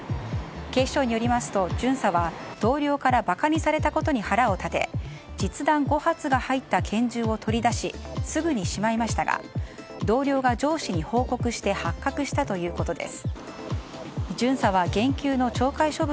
警視庁によりますと、巡査は同僚から馬鹿にされたことに腹を立て、実弾５発が入った拳銃を取り出しすぐにしまいましたが同僚が上司に報告して発覚したということです。